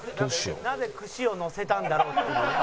「“なぜ串をのせたんだろう？”って」